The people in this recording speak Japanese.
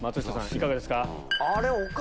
いかがですか？